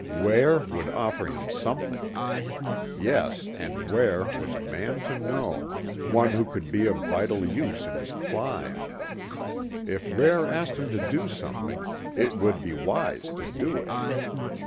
Ware would offer him something. Yes, and Ware was a man to know, one who could be of vital use in his climb. If Ware asked him to do something it would be wise to do it.